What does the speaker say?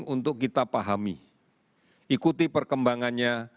untuk kita pahami ikuti perkembangannya